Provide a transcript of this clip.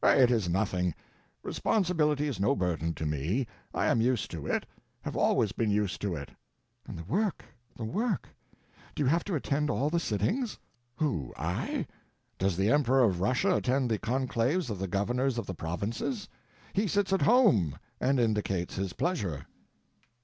"It is nothing. Responsibility is no burden to me; I am used to it; have always been used to it." "And the work—the work! Do you have to attend all the sittings?" "Who, I? Does the Emperor of Russia attend the conclaves of the governors of the provinces? He sits at home, and indicates his pleasure."